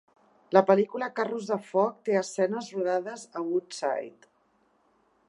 La pel·lícula "Carros de foc" té escenes rodades a Woodside.